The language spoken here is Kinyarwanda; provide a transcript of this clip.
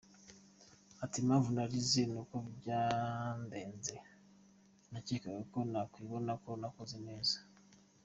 Ati “Impamvu narize ni uko byandenze, sinakekaga ko nakwibona mu bakoze neza.